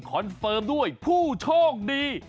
เฟิร์มด้วยผู้โชคดี